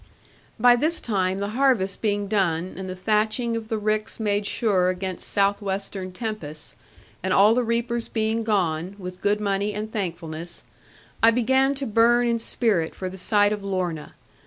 By this time, the harvest being done, and the thatching of the ricks made sure against south western tempests, and all the reapers being gone, with good money and thankfulness, I began to burn in spirit for the sight of Lorna.